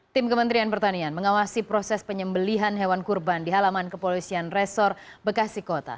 tim kementerian pertanian mengawasi proses penyembelian hewan kurban di halaman kepolisian resor bekasi kota